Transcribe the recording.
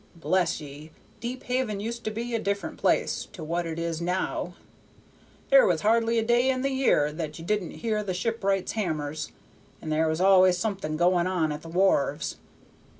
Bless ye! Deephaven used to be a different place to what it is now; there was hardly a day in the year that you didn't hear the shipwrights' hammers, and there was always something going on at the wharves.